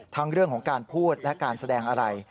ทั้งเรื่องของการพูดและการแสดงอะไร